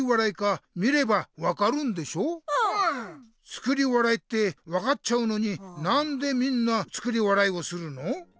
「作り笑い」って分かっちゃうのになんでみんな作り笑いをするの？